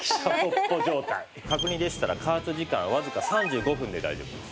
角煮でしたら加圧時間わずか３５分で大丈夫です。